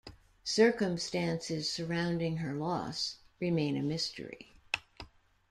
Circumstances surrounding her loss remain a mystery.